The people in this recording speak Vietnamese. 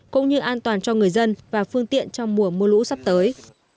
cũng như an toàn cho người dân và phương tiện trong mùa mưa lũ sắp tới